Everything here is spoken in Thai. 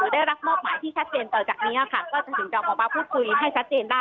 ทศกัปตัวก็จะถึงกับพุธคุยให้แชทเจน